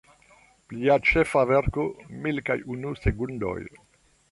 Pri lia ĉefa verko, Mil kaj unu sekundoj.